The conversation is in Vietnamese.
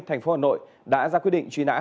thành phố hà nội đã ra quyết định truy nã